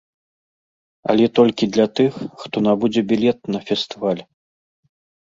Але толькі для тых, хто набудзе білет на фестываль.